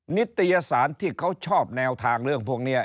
นิตยสารที่เขาชอบแนวทางเรื่องพวกนี้